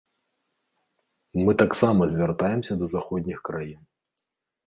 Мы таксама звяртаемся да заходніх краін.